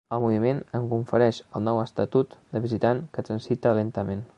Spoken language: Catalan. El moviment em confereix el nou estatut de visitant que transita lentament.